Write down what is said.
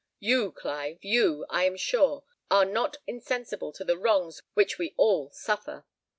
You, Clive, you, I am sure, are not insensible to the wrongs which we all suffer."